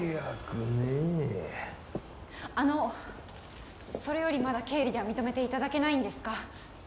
あのそれよりまだ経理では認めていただけないんですか？